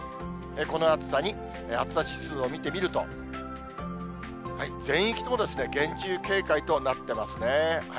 この暑さに、暑さ指数を見てみると、全域とも厳重警戒となってますね。